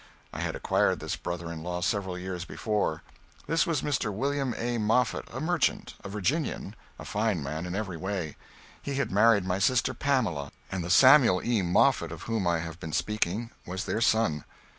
I had acquired this brother in law several years before. This was Mr. William A. Moffett, a merchant, a Virginian a fine man in every way. He had married my sister Pamela, and the Samuel E. Moffett of whom I have been speaking was their son.